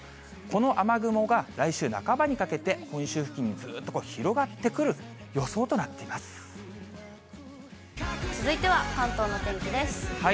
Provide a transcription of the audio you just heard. この雨雲が来週半ばにかけて、本州付近にずっとこう、広がって続いては関東のお天気です。